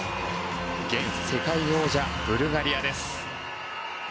現世界王者ブルガリアです。